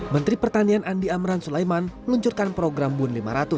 menteri pertanian andi amran sulaiman meluncurkan program bun lima ratus